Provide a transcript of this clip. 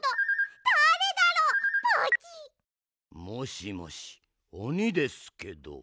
もしもしおにですけど。